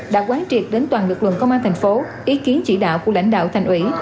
đã quán triệt đến toàn lực lượng công an tp ý kiến chỉ đạo của lãnh đạo thành ủy